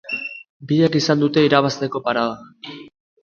Biek izan dute irabazteko parada.